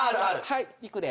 はいいくで。